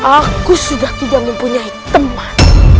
aku sudah tidak mempunyai teman